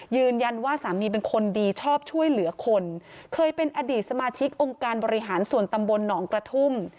ยืนยันว่าสามีเป็นคนดีชอบช่วยเหลือคนเคยเป็นอดีตสมาชิกองค์การบริหารส่วนตำบลหนองกระทุ่ม